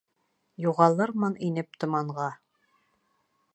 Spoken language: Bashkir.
Юғалырмын инеп томанға.